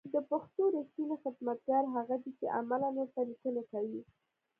د پښتو رېښتينی خدمتگار هغه دی چې عملاً ورته ليکنې کوي